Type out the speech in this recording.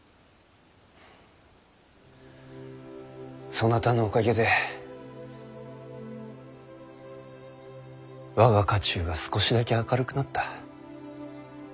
そなたのおかげで我が家中が少しだけ明るくなった。